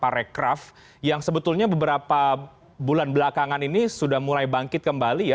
parekraf yang sebetulnya beberapa bulan belakangan ini sudah mulai bangkit kembali ya